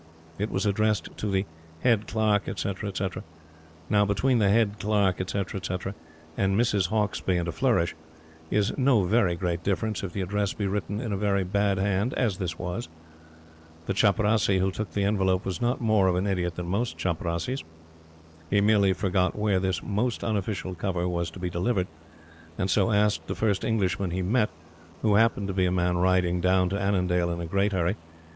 It was addressed to "The Head Clerk, etc., etc." Now, between "The Head Clerk, etc., etc.," and "Mrs. Hauksbee" and a flourish, is no very great difference if the address be written in a very bad hand, as this was. The chaprassi who took the envelope was not more of an idiot than most chaprassis. He merely forgot where this most unofficial cover was to be delivered, and so asked the first Englishman he met, who happened to be a man riding down to Annandale in a great hurry.